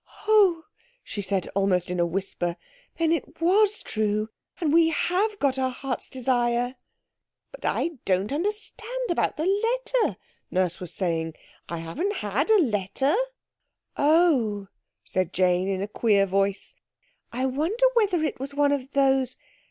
"Oh," she said almost in a whisper, "then it was true. And we have got our hearts' desire." "But I don't understand about the letter," Nurse was saying. "I haven't had no letter." "Oh!" said Jane in a queer voice, "I wonder whether it was one of those...